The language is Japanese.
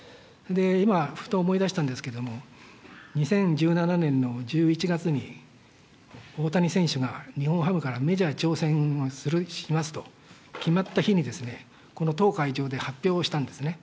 今、ふと思い出したんですけども、２０１７年の１１月に、大谷選手が日本ハムからメジャー挑戦しますと決まった日に、この当会場で発表をしたんですね。